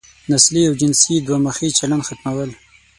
نسلي او جنسي دوه مخی چلن ختمول.